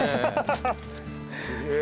すげえ。